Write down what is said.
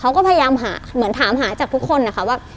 เขาก็พยายามหาเหมือนถามหาจากทุกคนนะคะว่า